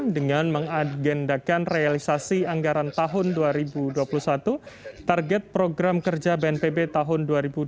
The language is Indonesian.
dengan mengagendakan realisasi anggaran tahun dua ribu dua puluh satu target program kerja bnpb tahun dua ribu dua puluh